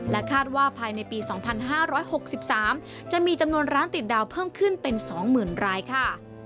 คาดว่าภายในปี๒๕๖๓จะมีจำนวนร้านติดดาวเพิ่มขึ้นเป็น๒๐๐๐รายค่ะ